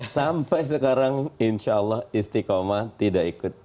sampai sekarang insya allah istiqomah tidak ikut di pansus